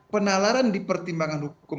penalaran di pertimbangan hukum